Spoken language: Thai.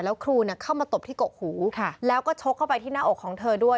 แล้วครูเข้ามาตบที่กกหูแล้วก็ชกเข้าไปที่หน้าอกของเธอด้วย